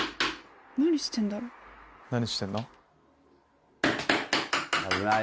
何してんだろう。